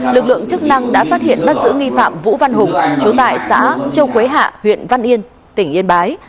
lực lượng chức năng đã phát hiện bắt giữ nghi phạm vũ văn hùng chú tại xã châu quế hạ huyện văn yên tỉnh yên bái